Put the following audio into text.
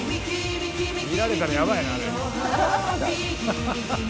見られたらヤバいなあれ。